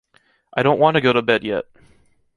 I don’t want to go to bed yet!